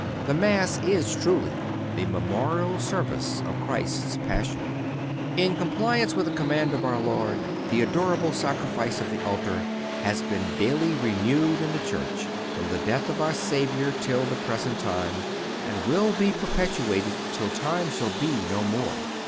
The Mass is truly the memorial service of Christ's Passion. In compliance with the command of our Lord the adorable Sacrifice of the Altar has been daily renewed in the Church, from the death of our Savior till the present time, and will be perpetuated till time shall be no more.